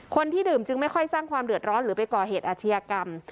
คนที่ดื่มจึงไม่ค่อยสร้างความเดือดร้อนหรือไปก่อเหตุอาชญากรรม